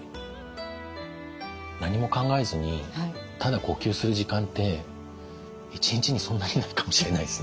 何も考えずにただ呼吸する時間って一日にそんなにないかもしれないですね。